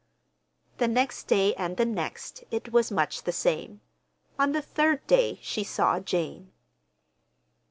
The next day and the next it was much the same. On the third day she saw Jane.